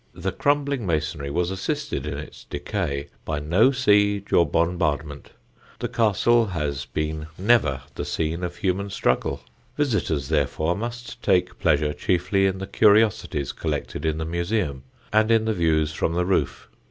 The crumbling masonry was assisted in its decay by no siege or bombardment; the castle has been never the scene of human struggle. Visitors, therefore, must take pleasure chiefly in the curiosities collected in the museum and in the views from the roof.